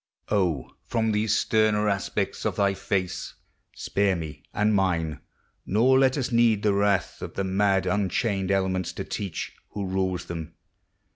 O, from these sterner aspects of thy face Spare me and mine, nor let us need the wrath Of the mad unchained elements to teach Who rules them.